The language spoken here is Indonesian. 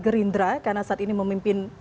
gerindra karena saat ini memimpin